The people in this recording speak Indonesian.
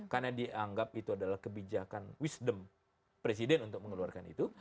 karena dianggap itu adalah kebijakan wisdom presiden untuk mengeluarkan itu